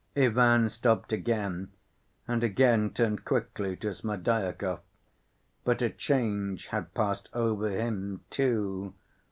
Ivan stopped again, and again turned quickly to Smerdyakov. But a change had passed over him, too.